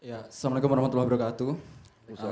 assalamualaikum wr wb